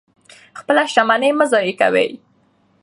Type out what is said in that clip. خپله شتمني مه ضایع کوئ.